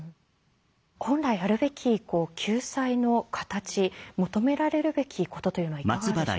本来あるべき救済の形求められるべきことというのはいかがでしょう？